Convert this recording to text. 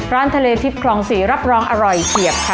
ร้านทะเลทิพย์คลอง๔รับรองอร่อยเฉียบค่ะ